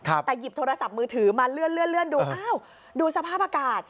แต่หยิบโทรศัพท์มือถือมาเลื่อนดูอ้าวดูสภาพอากาศ